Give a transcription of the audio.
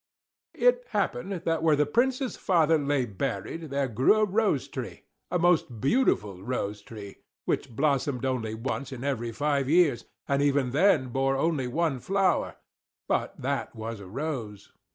It happened that where the Prince's father lay buried, there grew a rose tree a most beautiful rose tree, which blossomed only once in every five years, and even then bore only one flower, but that was a rose!